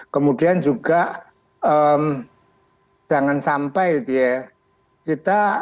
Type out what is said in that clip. kemudian juga jangan sampai